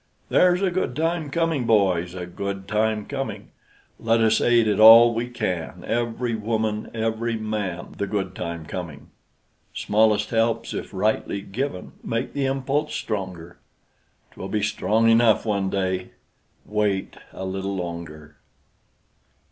There's a good time coming, boys, A good time coming: Let us aid it all we can, Every woman, every man, The good time coming: Smallest helps, if rightly given, Make the impulse stronger; 'T will be strong enough one day; Wait a little longer.